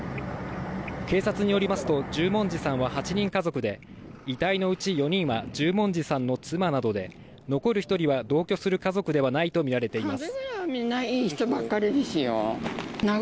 警察によりますと十文字さんは８人家族で遺体のうち４人は十文字さんの妻などで残る１人は同居する家族ではないとみられています